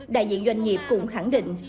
đại diện doanh nghiệp cũng khẳng định